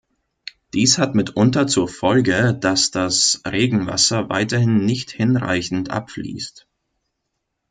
Dies hat mitunter zur Folge, dass das Regenwasser weiterhin nicht hinreichend abfließt.